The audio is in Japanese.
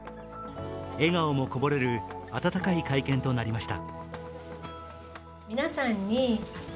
笑顔もこぼれる温かい会見となりました。